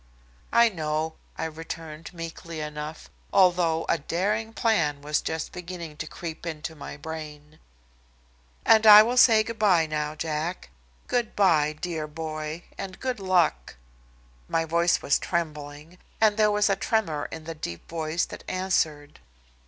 "I know," I returned meekly enough, although a daring plan was just beginning to creep into my brain. "And I will say good by now, Jack. Good by, dear boy, and good luck." My voice was trembling, and there was a tremor in the deep voice that answered.